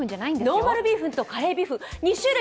ノーマルビーフンとカレービーフン